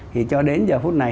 thì cho đến giờ phút này